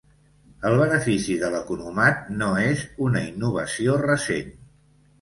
El benefici de l'economat no és una innovació recent.